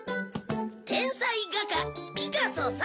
天才画家ピカソさ。